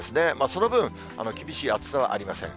その分、厳しい暑さはありません。